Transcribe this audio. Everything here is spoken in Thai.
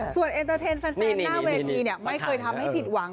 ส่วนเอ็นเตอร์เทนแฟนหน้าเวทีไม่เคยทำให้ผิดหวัง